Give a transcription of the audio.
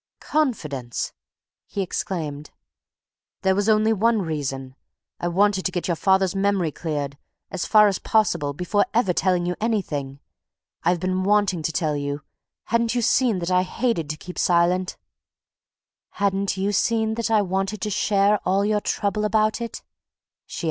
"Confidence!" he exclaimed. "There was only one reason I wanted to get your father's memory cleared as far as possible before ever telling you anything. I've been wanting to tell you! Hadn't you seen that I hated to keep silent?" "Hadn't you seen that I wanted to share all your trouble about it?"